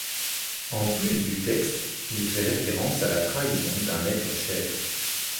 En plus du texte, il fait référence à la trahison d'un être cher.